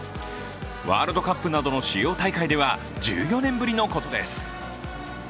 ワールドカップなどの主要大会では１４年ぶりのことです。